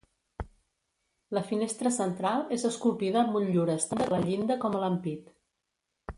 La finestra central és esculpida amb motllures tant a la llinda com a l'ampit.